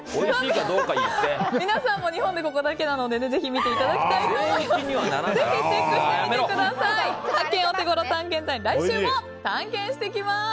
皆さんも日本でここだけなのでぜひ見ていただきたいと思います。